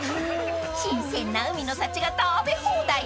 ［新鮮な海の幸が食べ放題］